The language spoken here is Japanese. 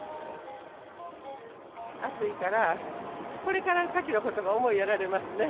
暑いから、これから先のことが思いやられますね。